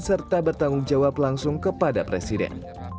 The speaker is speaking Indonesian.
serta bertanggung jawab langsung kepada presiden